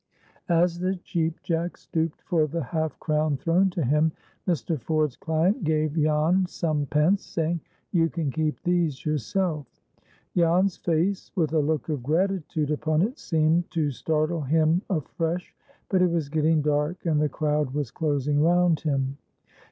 As the Cheap Jack stooped for the half crown thrown to him, Mr. Ford's client gave Jan some pence, saying, "You can keep these yourself." Jan's face, with a look of gratitude upon it, seemed to startle him afresh, but it was getting dark, and the crowd was closing round him.